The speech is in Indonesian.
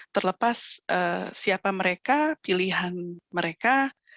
terlepas siapa mereka pilihan mereka